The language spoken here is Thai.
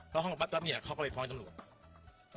ล็อกห้องก็ปั๊บเนี่ยเขาก็ไปพร้อมตำรวจ